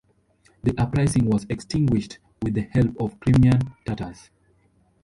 The uprising was extinguished with the help of Crimean Tatars.